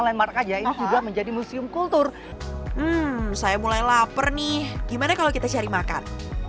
landmark aja ini juga menjadi museum kultur saya mulai lapar nih gimana kalau kita cari makan